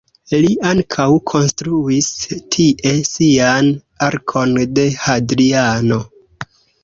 Li ankaŭ konstruis tie sian Arkon de Hadriano.